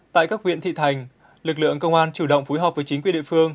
tại các huyện thị thành lực lượng công an chủ động phối hợp với chính quyền địa phương